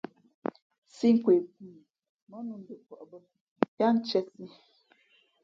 Sī nkwe pʉ mά nnū ndopαʼ bᾱ yáá ntīēsī.